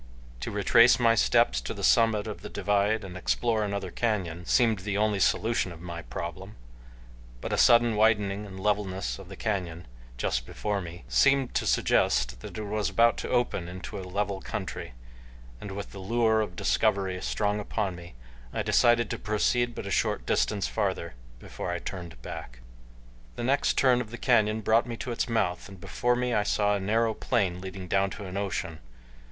To retrace my steps to the summit of the divide and explore another canyon seemed the only solution of my problem, but a sudden widening and levelness of the canyon just before me seemed to suggest that it was about to open into a level country, and with the lure of discovery strong upon me I decided to proceed but a short distance farther before I turned back. The next turn of the canyon brought me to its mouth, and before me I saw a narrow plain leading down to an ocean.